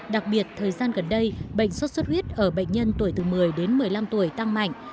đặc biệt thời gian gần đây bệnh xuất xuất huyết ở bệnh nhân tuổi từ một mươi đến một mươi năm tuổi tăng mạnh